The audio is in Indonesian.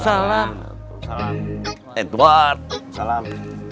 salam edward salam